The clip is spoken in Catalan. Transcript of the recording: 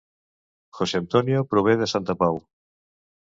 José Antonio prové de Santa Pau